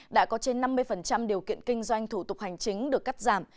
đã có trên năm mươi điều kiện kinh doanh thủ tục hành chính được cắt giảm